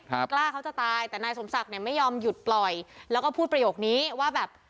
กล้าเขาจะตายแต่นายสมศักดิ์เนี่ยไม่ยอมหยุดปล่อยแล้วก็พูดประโยคนี้ว่าแบบ